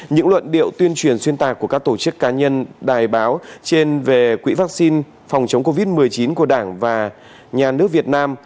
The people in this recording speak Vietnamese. những luận điệu tuyên truyền xuyên tạc của các tổ chức cá nhân đài báo trên về quỹ vaccine phòng chống covid một mươi chín của đảng và nhà nước việt nam